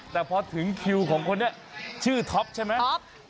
แต่พอถึงคิวของคนนี้ชื่อท็อปใช่ไหมท็อป